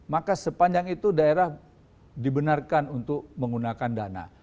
maka sepanjang itu daerah dibenarkan untuk menggunakan dana